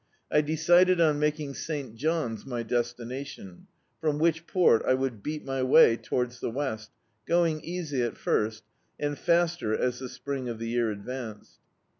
I decided on making St. John's my destination, from which port I would beat my way towards the west, going easy at first; and faster as the spring of the year advanced.